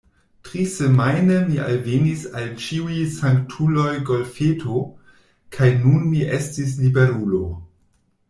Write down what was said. Trisemajne mi alvenis al Ĉiuj Sanktuloj Golfeto, kaj nun mi estis liberulo.